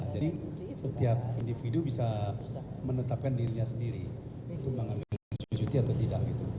jadi setiap individu bisa menetapkan dirinya sendiri untuk mengambil cuti atau tidak